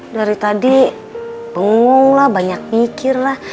dari tadi menguh lah banyak mikir lah